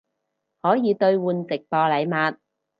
可以兑换直播禮物